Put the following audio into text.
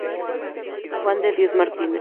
Juan de Dios Martínez.